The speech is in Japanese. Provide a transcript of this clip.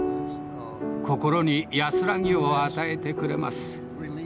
心に安らぎを与えてくれます。